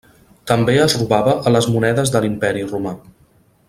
També es robava a les monedes de l'imperi romà.